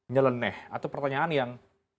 nyeleneh atau pertanyaan yang